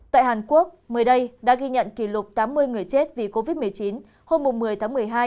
tại hàn quốc mới đây đã ghi nhận kỷ lục tám mươi người chết vì covid một mươi chín hôm một mươi tháng một mươi hai